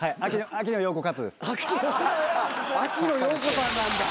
秋野暢子さんなんだ。